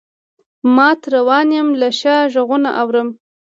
مات روان یمه له شا غــــــــږونه اورم